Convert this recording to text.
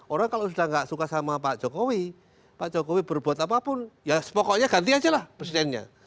orang kalau sudah tidak suka sama pak jokowi pak jokowi berbuat apapun ya pokoknya ganti aja lah presidennya